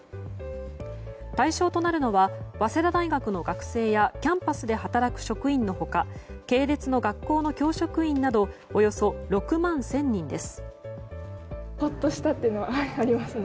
対象となるのは早稲田大学の学生やキャンパスで働く職員の他系列の学校の教職員などおよそ６万１０００人です。